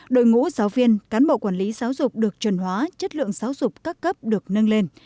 đội ngũ giáo viên cán bộ quản lý giáo dục được truyền hóa chất lượng giáo dục các cấp được nâng lên